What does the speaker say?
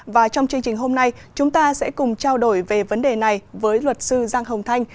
và trong chương trình hôm nay chúng ta sẽ cùng trao đổi về vấn đề này với luật sư giang hồng thanh